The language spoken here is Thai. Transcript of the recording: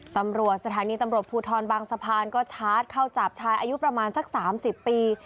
ตำรวจสถานีตำรวจภูทรบางสะพานก็ชาร์จเข้าจับชายอายุประมาณสัก๓๐ปี